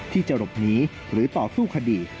ที่จะหลบหนีหรือต่อสู้คดี